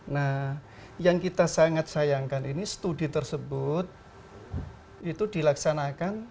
nah yang kita sangat sayangkan ini studi tersebut itu dilaksanakan